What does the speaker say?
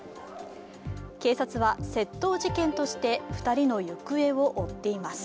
警察は、窃盗事件として２人の行方を追っています。